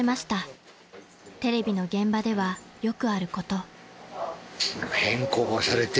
［テレビの現場ではよくあること］